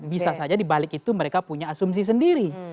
bisa saja dibalik itu mereka punya asumsi sendiri